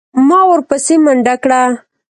ما ورپسې منډه کړه.